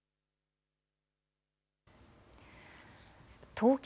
東京